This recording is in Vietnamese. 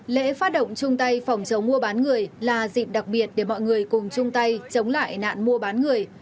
lễ phát động chung tay phòng chống mua bán người là dịp đặc biệt để mọi người cùng chung tay chống lại nạn mua bán người